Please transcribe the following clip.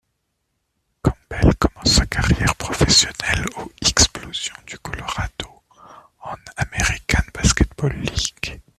Campbell commence sa carrière professionnelle au Xplosion du Colorado en American Basketball League.